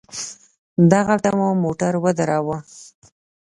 دغلته مو موټر ودراوه.